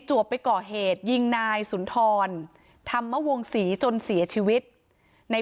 วบไปก่อเหตุยิงนายสุนทรธรรมวงศรีจนเสียชีวิตใน